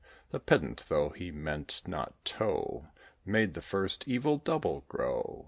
The Pedant, though he meant not to, Made the first evil double grow.